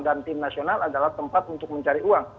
dan tim nasional adalah tempat untuk mencari uang